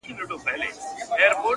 ستا څخه چي ياره روانـــــــــــېــږمه.